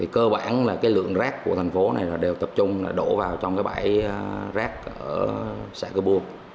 cơ bản là cái lượng rác của thành phố này đều tập trung đổ vào trong cái bãi rác ở xã cư buôn